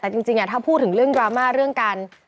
แต่จริงถ้าพูดถึงเรื่องดราม่าเรื่องการ